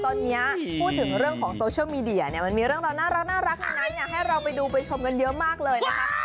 ตอนนี้พูดถึงเรื่องของโซเชียลมีเดียเนี่ยมันมีเรื่องราวน่ารักในนั้นให้เราไปดูไปชมกันเยอะมากเลยนะคะ